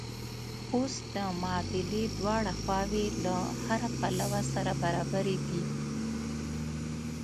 اوس د معادلې دواړه خواوې له هره پلوه سره برابرې دي.